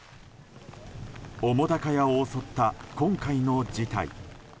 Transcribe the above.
澤瀉屋を襲った、今回の事態。